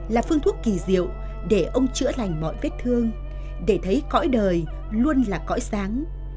là phương thuốc kỳ diệu để ông chữa lành mọi vết thương để thấy cõi đời luôn là cõi sáng